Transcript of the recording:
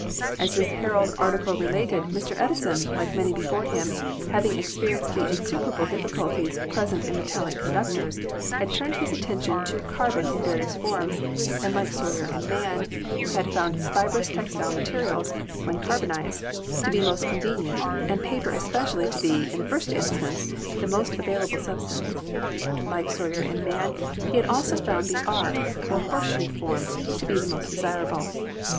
As this Herald article also related, Mr. Edison, like many before him, having experienced the insuperable difficulties present in metallic conductors, had turned his attention to carbon in various forms; and, like Sawyer and Man, had found fibrous textile materials, when carbonized, to be most convenient, and paper es pecially to be, in the first instance, the most available sub stance. Like Sawyer and Man, he had also found the 2 3 8 ELECTRICITY arch, or horseshoe form, to be the most desirable.